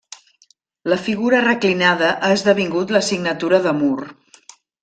La figura reclinada ha esdevingut la signatura de Moore.